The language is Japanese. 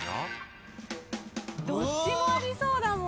どっちもありそうだもん。